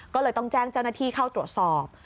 ก็เลยต้องแจ้งเจ้าหน้าที่เข้าตรวจสอบ